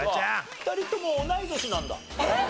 ２人とも同い年なんだ。えっ！？